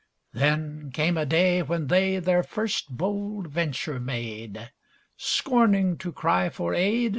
Then came a day when they Their first bold venture made, Scorning to cry for aid.